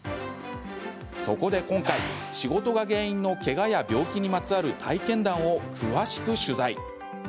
そこで今回、仕事が原因のけがや病気にまつわる体験談を詳しく取材。